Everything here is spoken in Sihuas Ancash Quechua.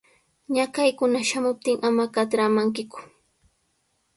Ñakaykuna shamuptin ama katramankiku.